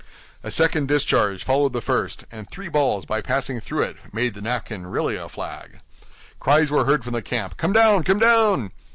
A second discharge followed the first, and three balls, by passing through it, made the napkin really a flag. Cries were heard from the camp, "Come down! come down!"